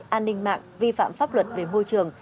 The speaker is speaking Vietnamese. an ninh mạng vi phạm pháp luật về môi trường